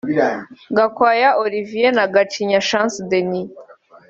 Gakwaya Olivier na Gacinya Chance Denys